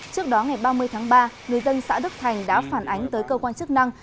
trước đó ngày ba mươi tháng ba người dân xã đức thành đã phản ánh tới cơ quan chức năng